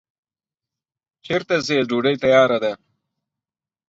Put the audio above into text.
چیرته ځی ډوډی تیاره ده